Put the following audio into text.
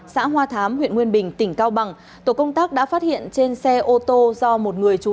xã hoa thám huyện nguyên bình tỉnh cao bằng tổ công tác đã phát hiện trên xe ô tô do một người trú